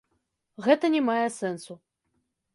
Гэта не мае сэнсу.